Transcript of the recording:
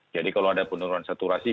jadi kalau ada penurunan saturasi